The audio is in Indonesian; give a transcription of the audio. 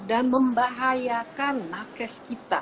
dan membahayakan nakes kita